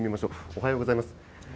おはようございます。